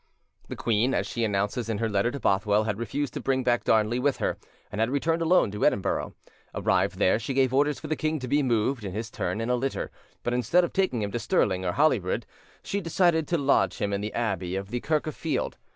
The queen, as she announces in her letter to Bothwell, had refused to bring back Darnley with her, and had returned alone to Edinburgh. Arrived there, she gave orders for the king to be moved, in his turn, in a litter; but instead of taking him to Stirling or Holyrood, she decided to lodge him in the abbey of the Kirk of Field.